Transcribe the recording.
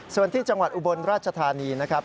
ส่วนที่จังหวัดอุบลราชธานีนะครับ